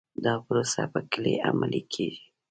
دا پروسه په کې عملي کېږي.